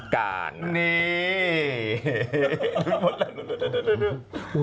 แม่คุณ